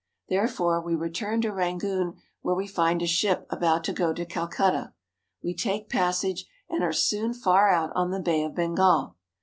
Therefore we return to Rangoon where we find a ship about to go to Calcutta. We take passage, and are soon far out on the Bay of Bengal.